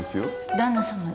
旦那様に？